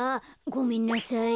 ごめんなさい。